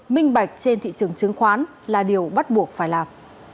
minh bạch trên thị trường chứng khoán là điều bắt buộc phải làm